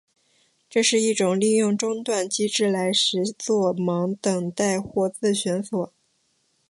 这是一种利用中断机制来实作忙等待或自旋锁。